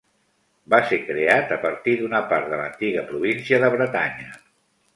Va ser creat a partir d'una part de l'antiga província de Bretanya.